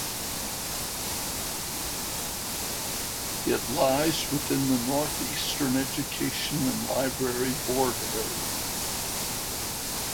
It lies within the North Eastern Education and Library Board area.